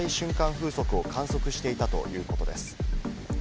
風速を観測していたということです。